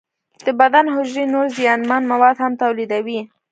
د بدن حجرې نور زیانمن مواد هم تولیدوي.